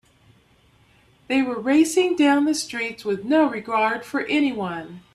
They were racing down the streets with no regard for anyone.